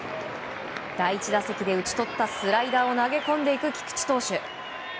第１打席で打ち取ったスライダーを投げ込んでいく菊池投手。